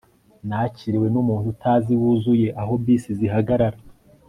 nakiriwe numuntu utazi wuzuye aho bisi zihagarara